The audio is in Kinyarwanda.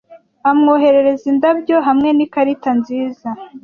Amwoherereza indabyo, hamwe n'ikarita nziza.